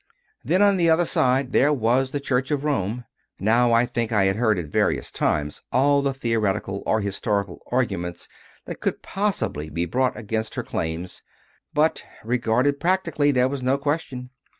Then on the other side there was the Church of Rome. Now, I think I had heard at various times all the theoretical or historical arguments that could possibly be brought against her claims; but, re garded practically, there was no question.